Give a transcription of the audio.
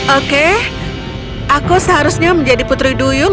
oke aku seharusnya menjadi putri duyung